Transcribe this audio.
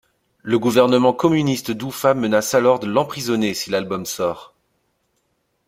Le gouvernement communiste d'Oufa menace alors de l'emprisonner si l'album sort.